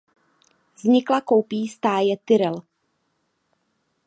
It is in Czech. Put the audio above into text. Vznikla koupí stáje Tyrrell.